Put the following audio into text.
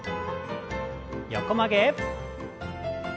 横曲げ。